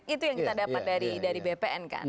itu yang kita dapat dari bpn kan